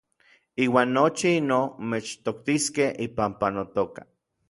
Iuan nochi inoj mechtoktiskej ipampa notoka.